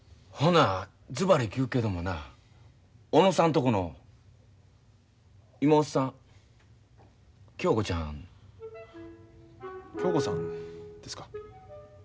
ほなずばり聞くけどもな小野さんとこの妹さん恭子ちゃん。恭子さんですか？